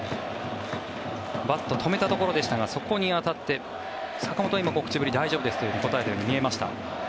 バット、止めたところでしたがそこに当たって坂本は大丈夫ですと答えたように見えました。